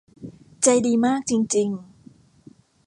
ใจดีมากจริง ๆ